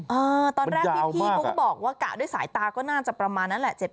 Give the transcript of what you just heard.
มันยาวมากอะอ่าตอนแรกพี่พี่ก็บอกว่ากะด้วยสายตาก็น่าจะประมาณนั้นแหละ